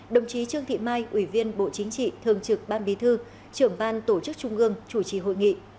đồng chí trương thị mai ủy viên bộ chính trị thường trực ban bí thư trưởng ban tổ chức trung ương chủ trì hội nghị